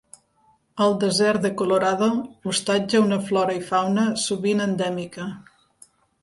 El desert de Colorado hostatja una flora i fauna sovint endèmica.